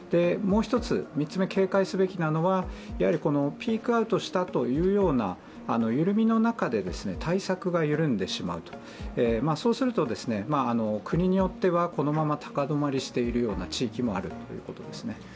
もう１つ、３つ目、警戒すべきなのはやはりピークアウトしたというような緩みの中で対策が緩んでしまうとそうすると、国によってはこのまま高止まりしているような地域もあるということですね。